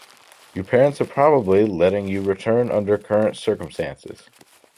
Your parents are probably letting you return under current circumstances.